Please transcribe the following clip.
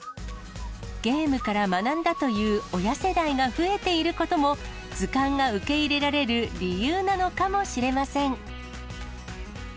ゲームから学んだという親世代が増えていることも、図鑑が受け入れられる理由なのかもしれません。